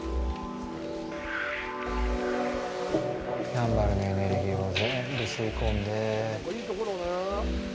やんばるのエネルギーを全部吸い込んで。